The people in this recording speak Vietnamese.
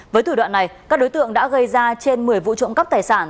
với thủ đoạn này các đối tượng đã gây ra trên một mươi vụ trộm cắp tài sản